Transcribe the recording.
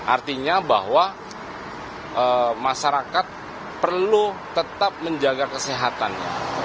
artinya bahwa masyarakat perlu tetap menjaga kesehatannya